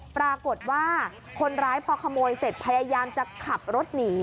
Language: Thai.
ปรากฏว่าคนร้ายพอขโมยเสร็จพยายามจะขับรถหนี